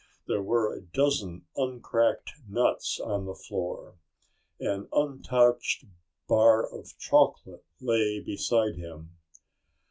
There were a dozen uncracked nuts on the floor. An untouched bar of chocolate lay beside him.